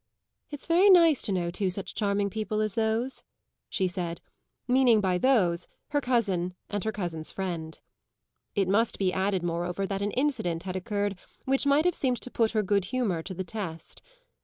"It's very nice to know two such charming people as those," she said, meaning by "those" her cousin and her cousin's friend. It must be added moreover that an incident had occurred which might have seemed to put her good humour to the test. Mr.